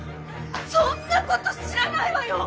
そんな事知らないわよ！